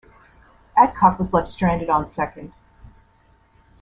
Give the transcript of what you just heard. Adcock was left stranded on second.